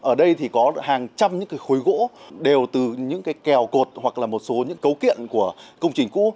ở đây thì có hàng trăm những cái khối gỗ đều từ những cái kèo cột hoặc là một số những cấu kiện của công trình cũ